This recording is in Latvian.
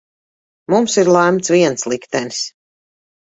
Mums ir lemts viens liktenis.